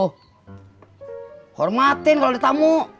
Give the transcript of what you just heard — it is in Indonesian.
hormatin kalau ada tamu